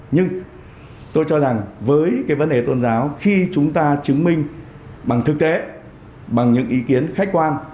nhưng tôi cho rằng với cái vấn đề tôn giáo khi chúng ta chứng minh bằng thực tế bằng những ý kiến khách quan